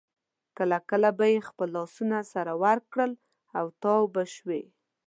کله کله به یې خپل لاسونه سره ورکړل او تاو به شوې.